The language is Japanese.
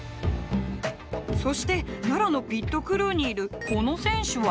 そして奈良のピットクルーにいるこの選手は？